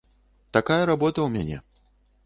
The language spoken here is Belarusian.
Такая работа ў мяне.